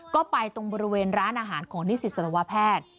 ก็ไปตรงบริเวณร้านอาหารของนิสิตสารวแพทย์